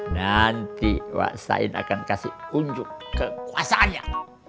nanti wak sain akan kasih unjuk kekuasanya